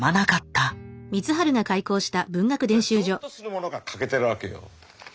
つまりぞっとするものが欠けてるわけよ。